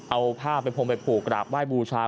เอาผ้าไปพงไปผูกกราบไห้บูชา